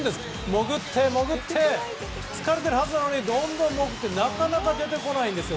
潜って、潜って疲れているはずなのにどんどん潜ってなかなか出てこないんですよ。